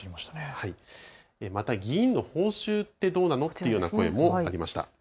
また議員の報酬ってどうなの？という声もありました。